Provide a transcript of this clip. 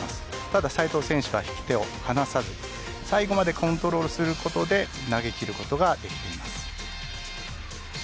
ただ斉藤選手は引き手を離さず最後までコントロールすることで投げ切ることができています。